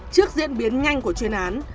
trước diễn biến nhanh của chuyên án